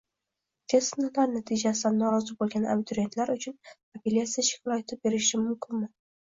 Test sinovlari natijasidan norozi bo‘lgan abituriyentlar uchun apellyatsiya shikoyati berishlari mumkinmi?